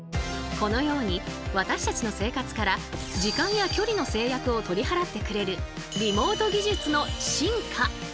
このように私たちの生活から時間や距離の制約を取り払ってくれるリモート技術の進化。